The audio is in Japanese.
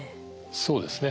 そうですね。